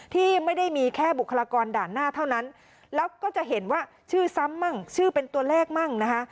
ที่ไม่ได้มีแค่บุคลากรด่านหน้าเท่านั้นแล้วก็จะเห็นว่าชื่อซ้ำมั่งชื่อเป็นตัวเลขมั่งนะคะ